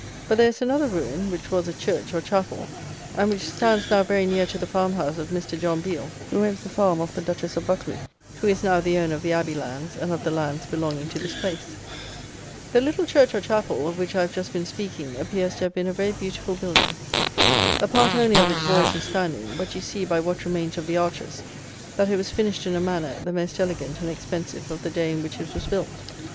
But there is another ruin, which was a church or chapel, and which stands now very near to the farm house of Mr. John Biel, who rents the farm of the Duchess of Buccleugh, who is now the owner of the abbey lands and of the lands belonging to this place. The little church or chapel, of which I have just been speaking, appears to have been a very beautiful building. A part only of its walls is standing; but you see, by what remains of the arches, that it was finished in a manner the most elegant and expensive of the day in which it was built.